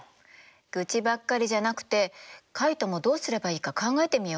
愚痴ばっかりじゃなくてカイトもどうすればいいか考えてみようよ。